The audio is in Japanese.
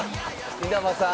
稲葉さん？」